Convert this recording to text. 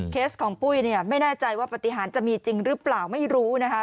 ของปุ้ยเนี่ยไม่แน่ใจว่าปฏิหารจะมีจริงหรือเปล่าไม่รู้นะคะ